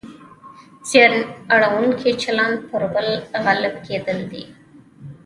زیان اړونکی چلند پر بل غالب کېدل دي.